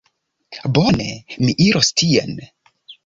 Bone, mi iros tien.